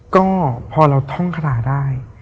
ก็พอเราท่องคาถาได้